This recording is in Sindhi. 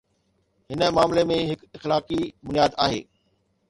هن معاملي ۾ هڪ اخلاقي بنياد آهي.